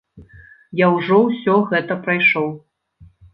Я ўжо ўсё гэта прайшоў.